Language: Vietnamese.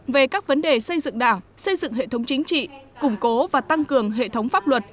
về các vấn đề xây dựng đảng xây dựng hệ thống chính trị củng cố và tăng cường hệ thống pháp luật